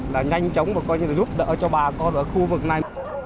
là nhanh chóng và coi như là giúp đỡ cho bà con ở khu vực này